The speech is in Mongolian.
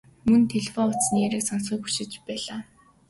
Мөн телефон утасны яриаг сонсохыг хүсэж байлаа.